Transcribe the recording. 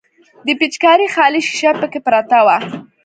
د پيچکارۍ خالي ښيښه پکښې پرته وه.